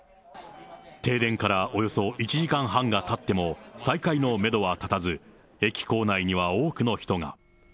停電からおよそ１時間半がたっても、再開のメドは立たず、駅構内には多くの人が。